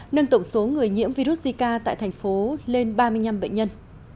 nâng tổng số người nhiễm virus zika tại thành phố lên ba mươi năm bệnh nhân